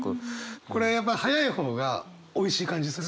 これやっぱ速い方がおいしい感じするね。